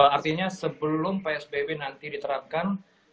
artinya sebelum psbb nanti diterapkan